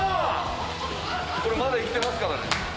これまだ生きてますからね。